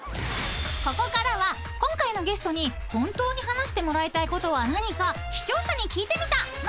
［ここからは今回のゲストに本当に話してもらいたいことは何か］